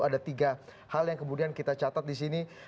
ada tiga hal yang kemudian kita catat di sini